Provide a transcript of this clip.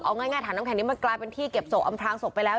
เอาง่ายถังน้ำแข็งนี้มันกลายเป็นที่เก็บศพอำพลางศพไปแล้ว